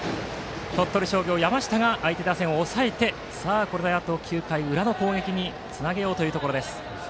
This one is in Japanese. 鳥取商業の山下が相手打線を抑えてこれで９回裏の攻撃につなげようというところです。